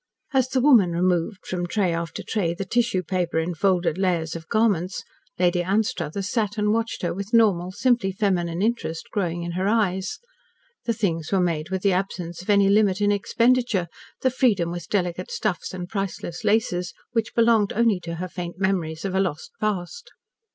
As the woman removed, from tray after tray, the tissue paper enfolded layers of garments, Lady Anstruthers sat and watched her with normal, simply feminine interest growing in her eyes. The things were made with the absence of any limit in expenditure, the freedom with delicate stuffs and priceless laces which belonged only to her faint memories of a lost past.